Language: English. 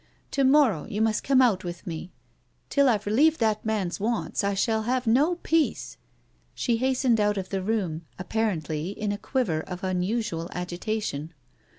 To morrow you must come out with me. Till I've relieved that man's wants I shall have no peace." She hastened out of the room, apparently in a quiver of unusual agitation.